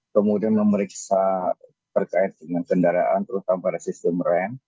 kemudian memeriksa terkait dengan kendaraan terutama pada sistem rem